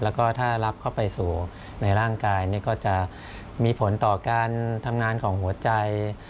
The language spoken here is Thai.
แล้วก็ถ้ารับเข้าไปสู่ในร่างกายก็จะมีผลต่อการทำงานของหัวใจ